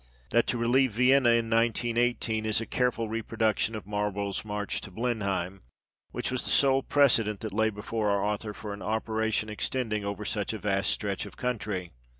That to relieve Vienna, in 1918, is a careful reproduction of Marlborough's march to Blenheim, which was the sole precedent that lay before our author for an operation extending over such a vast stretch of country.